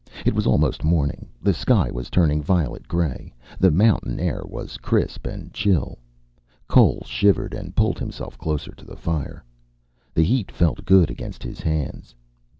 It was almost morning. The sky was turning violet gray. The mountain air was crisp and chill. Cole shivered and pulled himself closer to the fire. The heat felt good against his hands.